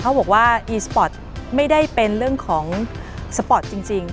เขาบอกว่าอีสปอร์ตไม่ได้เป็นเรื่องของสปอร์ตจริง